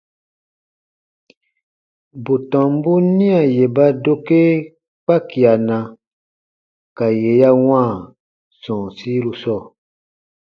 Bù tɔmbun nia yè ba dokee kpakiana ka yè ya wãa sɔ̃ɔsiru sɔɔ.